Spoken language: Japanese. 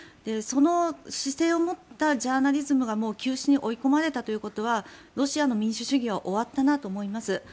その姿勢を持ったジャーナリズムが休止に追い込まれたということはロシアの民主主義は終わったなと思います。